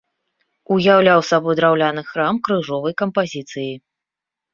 Уяўляў сабой драўляны храм крыжовай кампазіцыі.